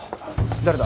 誰だ？